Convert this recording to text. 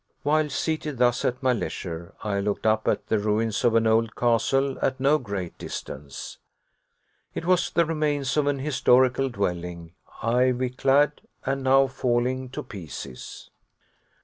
While seated thus at my leisure, I looked up at the ruins of an old castle, at no great distance. It was the remains of an historical dwelling, ivy clad, and now falling to pieces.